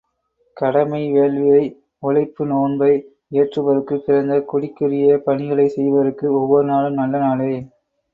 கடமை வேள்வியை, உழைப்பு நோன்பை இயற்றுபவருக்குப் பிறந்த குடிக்குரிய பணிகளைச் செய்பவருக்கு ஒவ்வொரு நாளும் நல்ல நாளே!